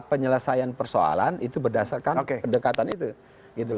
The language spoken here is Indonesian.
penyelesaian persoalan itu berdasarkan kedekatan itu